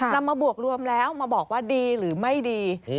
นำมาบวกรวมแล้วมาบอกว่าดีหรือไม่ดี